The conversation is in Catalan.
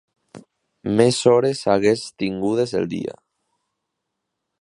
Més hores hagués tingudes el dia